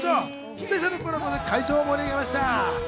スペシャルコラボで会場を盛り上げました。